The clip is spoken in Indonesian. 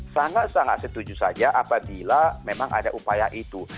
sangat sangat setuju saja apabila memang ada upaya itu